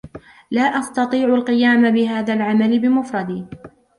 لا أستطيع القيام بهذا العمل بمفردي.